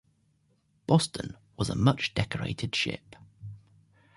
"Boston" was a much-decorated ship.